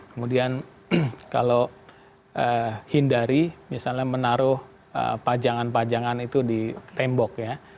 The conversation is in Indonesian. kemudian kalau hindari misalnya menaruh pajangan pajangan itu di tembok ya